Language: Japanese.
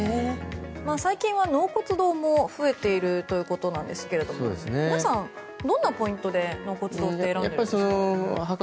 最近は納骨堂も増えているということなんですが皆さん、どんなポイントで納骨堂って選んでますか？